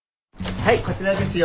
はいこちらですよ。